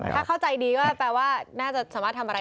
ถ้าเข้าใจดีก็แปลว่าน่าจะสามารถทำอะไร